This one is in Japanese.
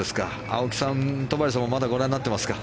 青木さん、戸張さんもまだご覧になっていますか？